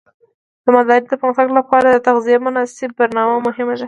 د مالدارۍ د پرمختګ لپاره د تغذیې مناسب برنامه مهمه ده.